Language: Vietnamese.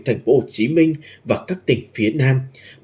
thành phố hồ chí minh và các tỉnh phía nam